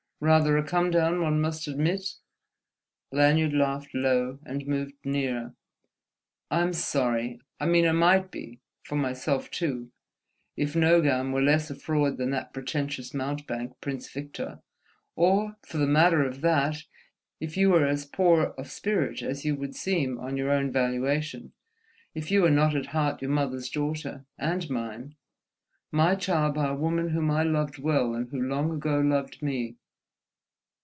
Rather a come down, one must admit." Lanyard laughed low, and moved nearer. "I'm sorry, I mean I might be (for myself, too) if Nogam were less a fraud than that pretentious mountebank, Prince Victor—or for the matter of that, if you were as poor of spirit as you would seem on your own valuation, if you were not at heart your mother's daughter, and mine, my child by a woman whom I loved well, and who long ago loved me!"